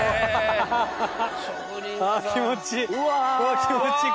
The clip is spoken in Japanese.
あ気持ちいい！